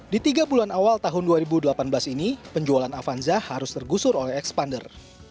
di tiga bulan awal tahun dua ribu delapan belas ini penjualan avanza harus tergusur oleh expander